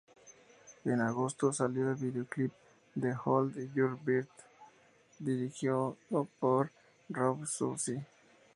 En agosto salió el videoclip de "Hold Your Breath", dirigido por Rob Soucy.